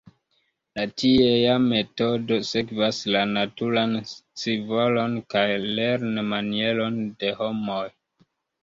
La tiea metodo sekvas la naturan scivolon kaj lernmanieron de homoj.